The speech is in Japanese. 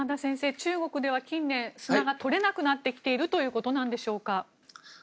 中国では近年砂が取れなくなってきているということなんでしょうか。